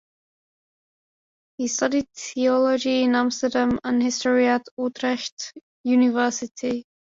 He studied theology in Amsterdam and history at Utrecht University.